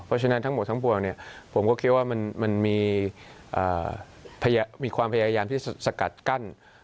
เพราะฉะนั้นทั้งหมดทั้งปวงผมก็คิดว่ามันมีความพยายามที่จะสกัดกั้น